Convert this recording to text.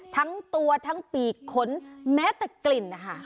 ทั้งตัวทั้งปีกขนแม้แต่กลิ่นนะคะ